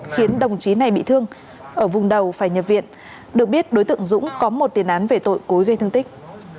khiến đồng chí này bị thương ở vùng đầu phải nhập viện được biết đối tượng dũng có một tiền án về tội cối gây thương tích